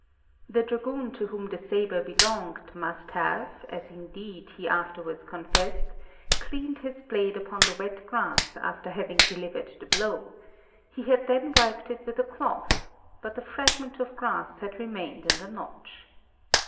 The dragoon to whom the sabre belonged must have, as indeed he afterwards confessed, cleaned his blade upon the wet grass after having delivered the blow; he had then wiped it with a cloth, but the fragment of grass had remained in the notch.